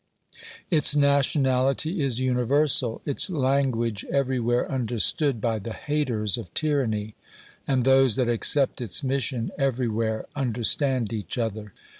Its nationality is universal ; its language every where understood by the haters of tyranny; and those that accept its mission, every where understand each other.